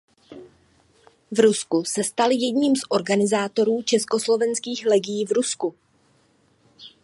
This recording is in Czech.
V Rusku se stal jedním z organizátorů Československých legií v Rusku.